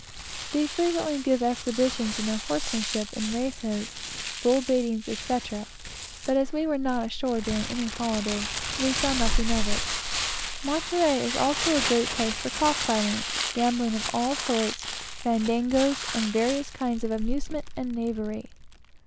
They frequently give exhibitions of their horsemanship, in races, bull baitings, etc.; but as we were not ashore during any holyday, we saw nothing of it. Monterey is also a great place for cock fighting, gambling of all sorts, fandangos, and every kind of amusement and knavery.